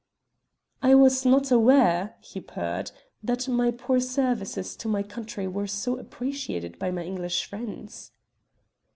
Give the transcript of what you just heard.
"I was not aware," he purred, "that my poor services to my country were so appreciated by my English friends."